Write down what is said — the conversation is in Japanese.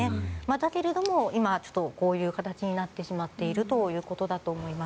だけれども、今こういう形になっているということだと思います。